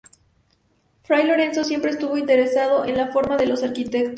Fray Lorenzo siempre estuvo interesado en la formación de los arquitectos.